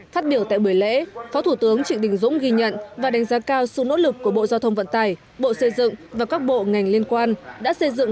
phát biểu tại buổi lễ phó thủ tướng trịnh đình dũng ghi nhận và đánh giá cao sự nỗ lực của bộ giao thông vận tải bộ xây dựng và các bộ ngành liên quan